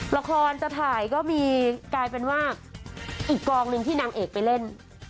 ละครจะถ่ายก็มีกลายเป็นว่าอีกกองหนึ่งที่นางเอกไปเล่น